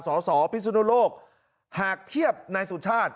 สสพิสุนโลกหากเทียบนายสุชาติ